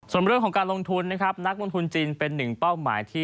ส่วนเรื่องของการลงทุนนะครับนักลงทุนจีนเป็นหนึ่งเป้าหมายที่